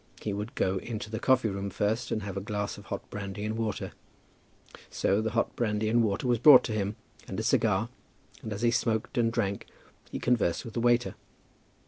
He would go into the coffee room first, and have a glass of hot brandy and water. So the hot brandy and water was brought to him, and a cigar, and as he smoked and drank he conversed with the waiter.